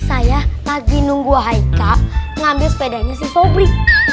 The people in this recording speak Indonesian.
saya lagi nunggu haikal ngambil sepedanya si sobri